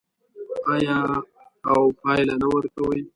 آیا او پایله نه ورکوي؟